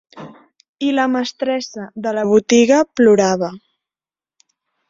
I la mestressa de la botiga plorava.